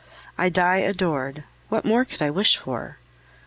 I die adored what more could I wish for?